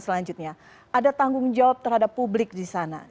selanjutnya ada tanggung jawab terhadap publik di sana